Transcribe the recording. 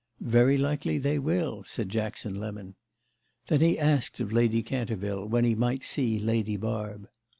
"Very likely they will!" said Jackson Lemon. Then he asked of Lady Canterville when he might see Lady Barb.